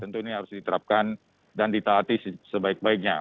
tentu ini harus diterapkan dan ditaati sebaik baiknya